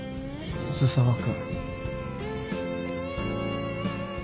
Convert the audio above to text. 水沢君。